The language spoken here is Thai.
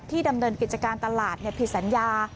ดำเนินกิจการตลาดผิดสัญญา